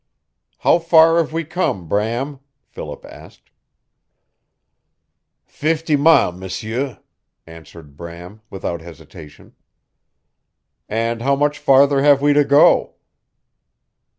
"How far have we come, Bram?" Philip asked. "Fift' mile, m'sieu," answered Bram without hesitation. "And how much farther have we to go?"